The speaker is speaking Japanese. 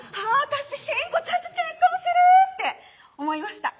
私真子ちゃんと結婚する！って想いました